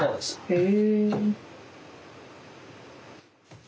へえ。